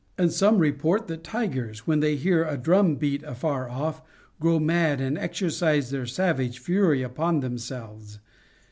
And some report that tigers, when they hear a drum beat afar off, grow mad and exercise their savage fury upon themselves.